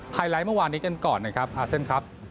ไลท์เมื่อวานนี้กันก่อนนะครับอาเซียนครับ